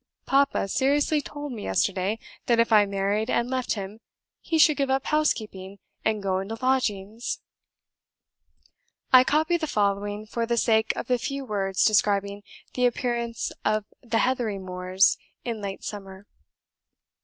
Papa seriously told me yesterday, that if I married and left him he should give up housekeeping and go into lodgings!" I copy the following, for the sake of the few words describing the appearance of the heathery moors in late summer.